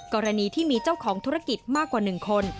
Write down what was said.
กรณีที่มีเจ้าของธุรกิจมากกว่า๑คน